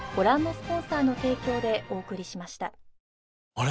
あれ？